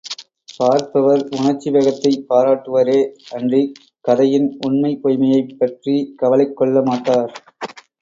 பார்ப்பவர் உணர்ச்சி வேகத்தைப் பாராட்டுவரே அன்றிக் கதையின் உண்மை பொய்மையைப் பற்றிக் கவலைக் கொள்ளமாட்டார்.